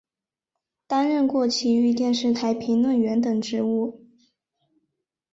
担任过崎玉电视台评论员等职务。